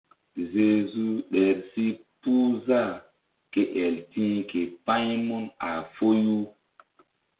Zezu ɗer si puh zah ke el ti̧h k pa̧ymun a foyu.